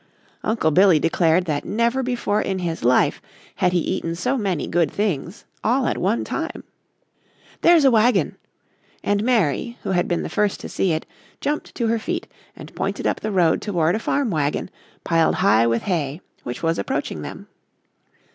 Uncle Billy declared that never before in his life had he eaten so many good things, all at one time. "There's a wagon!" and Mary, who had been the first to see it, jumped to her feet and pointed up the road toward a farm wagon, piled high with hay, which was approaching them.